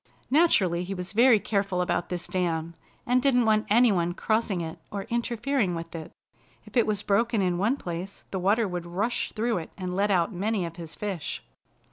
Naturally he was very careful about this dam, and didn't want any one crossing it or interfering with it. If it was broken in one place the water would rush through it and let out many of his fish.